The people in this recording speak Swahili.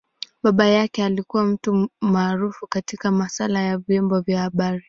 Baba yake alikua mtu maarufu katika masaala ya vyombo vya habari.